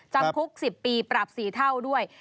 จำคุก๑๐ปีปรับ๔เท่าด้วย